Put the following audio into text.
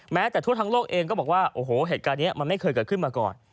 แต่ทั่วทั้งโลกเองก็บอกว่าโอ้โหเหตุการณ์นี้มันไม่เคยเกิดขึ้นมาก่อน